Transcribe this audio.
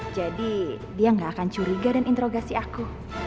jadi dia gak akan curiga dan interogasi aku